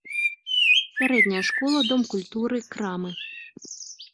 Сярэдняя школа, дом культуры, крамы.